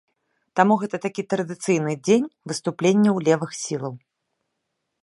Таму гэта такі традыцыйны дзень выступленняў левых сілаў.